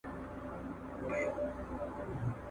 خره به هره ورځ ویل چي لویه خدایه !.